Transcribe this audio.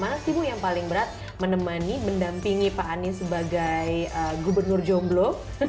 mana sih bu yang paling berat menemani mendampingi pak anies sebagai gubernur jomblo